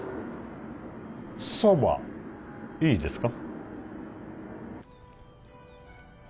蕎麦いいですか？